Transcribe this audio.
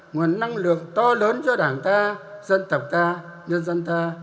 nguồn năng lượng to lớn cho đảng ta dân tộc ta nhân dân ta